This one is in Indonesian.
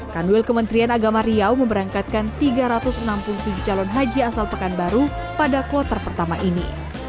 kanwil kementerian agama riau memberangkatkan tiga ratus enam puluh tujuh calon haji asal pekanbaru pada kuartal pertama ini